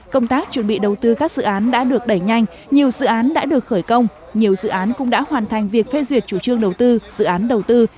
công tác chuẩn bị đầu tư các dự án đã được đẩy nhanh nhiều dự án đã được khởi công nhiều dự án cũng đã hoàn thành việc phê duyệt chủ trương đầu tư dự án đầu tư